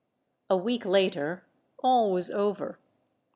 " A week later, all was over.